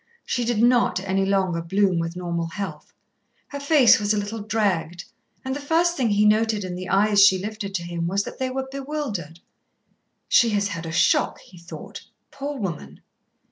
She did not any longer bloom with normal health. Her face was a little dragged, and the first thing he noted in the eyes she lifted to him was that they were bewildered. "She has had a shock," he thought. "Poor woman!"